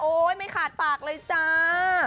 โอ๊ยไม่ขาดปากเลยจ้า